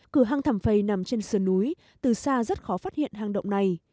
cửa hang thảm phầy nằm trên sườn núi từ xa rất khó phát hiện hang động này